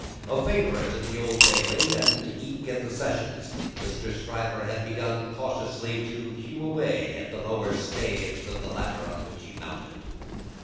A favourite at the Old Bailey, and eke at the Sessions, Mr. Stryver had begun cautiously to hew away the lower staves of the ladder on which he mounted.